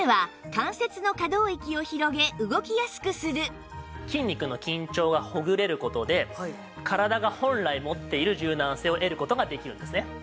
１つ目は筋肉の緊張がほぐれる事で体が本来持っている柔軟性を得る事ができるんですね。